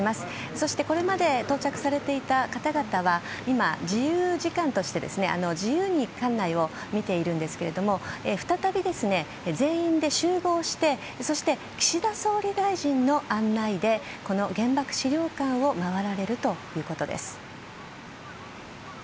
そして、これまで到着されていた方々は今、自由時間として自由に館内を見ているんですが再び、全員で集合してそして、岸田総理大臣の案内でこの原爆資料館を回られるということです。